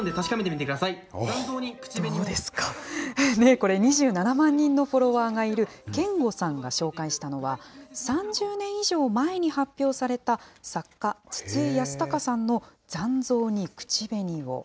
これ、２７万人のフォロワーがいる、けんごさんが紹介したのは、３０年以上前に発表された作家、筒井康隆さんの残像に口紅を。